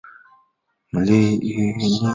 黄绿薹草为莎草科薹草属的植物。